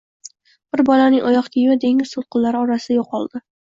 Bir bolaning oyoq kiyimi dengiz tõlqinlari orasida yõqoldi